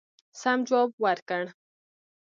سم جواب ورکړ.